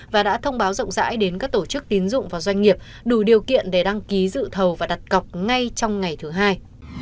và đã thông báo rộng rãi đến các tổ chức tín dụng và doanh nghiệp đủ điều kiện để đăng ký dự thầu và đặt cọc ngay trong ngày thứ hai